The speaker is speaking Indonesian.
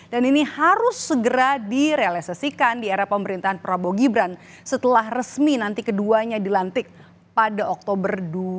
dan ini harus segera direalisasikan di era pemerintahan prabowo gibran setelah resmi nanti keduanya dilantik pada oktober dua ribu dua puluh empat